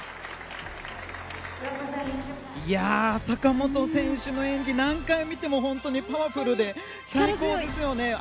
坂本選手の演技何回見ても本当にパワフルで最高ですよね。